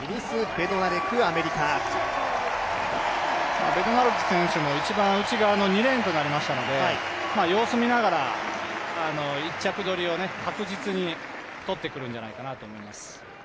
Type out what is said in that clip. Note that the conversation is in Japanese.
ベドナレク選手も一番内側の２レーンとなりましたので様子見ながら、１着取りを確実にとってくるんじゃないかなと思います。